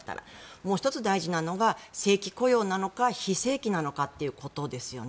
もう１つ大事なのが正規雇用なのか非正規なのかということですよね。